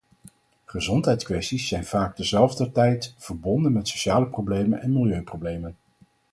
Gezondheidskwesties zijn vaak terzelfder tijd verbonden met sociale problemen en milieuproblemen.